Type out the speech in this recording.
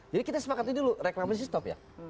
jadi kita sepakat dulu reklamasi stop ya